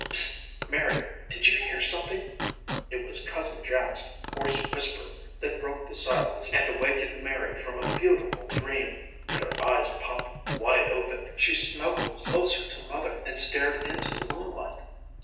"Pst! Mary, did you hear something?" It was cousin Jack's hoarse whisper that broke the silence and awakened Mary from a beautiful dream and her eyes popped open wide. She snuggled closer to Mother and stared into the moonlight.